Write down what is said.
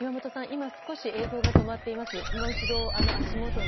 今、少し映像が止まっています。